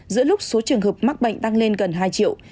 giữa lúc số trường hợp mắc bệnh tăng lên gần hai triệu